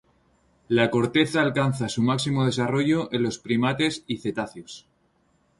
La corteza alcanza su máximo desarrollo en los primates y cetáceos.